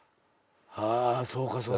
あそうかそうか。